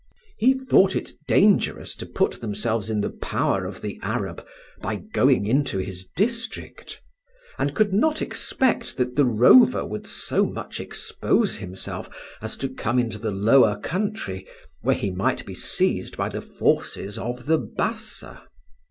He thought it dangerous to put themselves in the power of the Arab by going into his district; and could not expect that the rover would so much expose himself as to come into the lower country, where he might be seized by the forces of the Bassa.